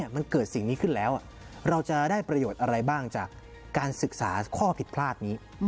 มันเกิดสิ่งนี้ขึ้นแล้วเราจะได้ประโยชน์อะไรบ้างจากการศึกษาข้อผิดพลาดนี้